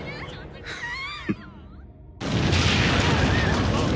フッ。